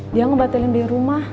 dia ngebatalin di rumah